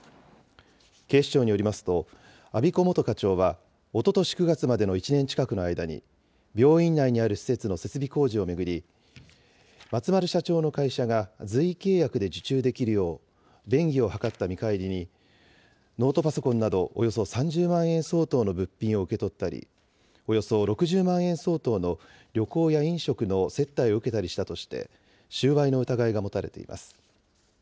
警視庁によりますと、安彦元課長は、おととし９月までの１年近くの間に、病院内にある施設の設備工事を巡り、松丸社長の会社が随意契約で受注できるよう便宜を図った見返りに、ノートパソコンなど、およそ３０万円相当の物品を受け取ったり、およそ６０万円相当の旅行や飲食の接待を受けたりしたとして、収賄の疑いが持たれています。